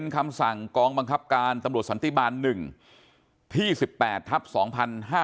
คำสั่งกองบังคับการตำรวจสันติบาล๑ที่๑๘ทับ๒๕๕๙